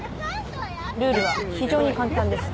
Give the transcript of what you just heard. ルールは非常に簡単です。